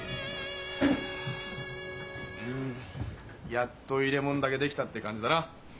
やっと入れ物だけ出来たって感じだな！